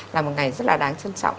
là một ngày rất là đáng trân trọng